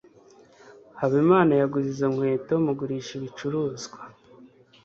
habimana yaguze izo nkweto mugurisha ibicuruzwa